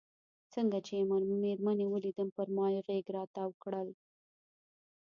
څنګه چې مېرمنې یې ولیدم پر ما یې غېږ را وتاو کړل.